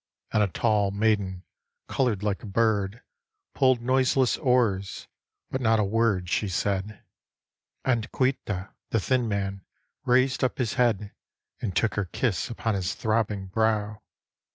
And a tall maiden coloured like a bird Pulled noiseless oars, but not a word she said. And Caoilte, the thin man, raised up his head And took her kiss upon .his throbbing brow.